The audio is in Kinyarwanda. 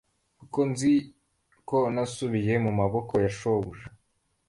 kuko nzi ko nasubiye mu maboko ya shobuja